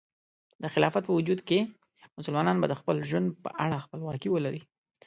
د خلافت په وجود کې، مسلمانان به د خپل ژوند په اړه خپلواکي ولري.